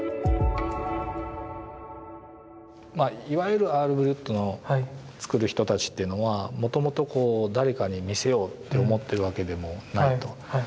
いわゆるアール・ブリュットの作る人たちっていうのはもともと誰かに見せようって思ってるわけでもないと。